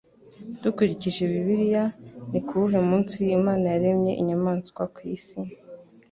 Dukurikije Bibiliya ni ku wuhe munsi Imana yaremye inyamaswa kwisi?